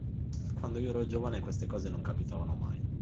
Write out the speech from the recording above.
Quando io ero giovane queste cose non capitavano mai.